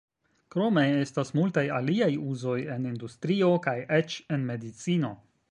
Krome estas multaj aliaj uzoj en industrio, kaj eĉ en medicino.